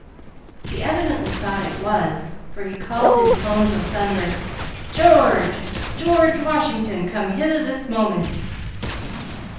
He evidently thought it was, for he called, in tones of thunder, "George! George Washington, come hither this moment!"